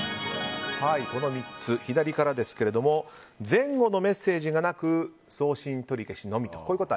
左からですけども前後のメッセージがなく送信取り消しのみ。